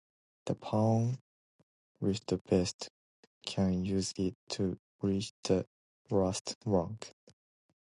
The pawn with the vest can use it to reach the last rank.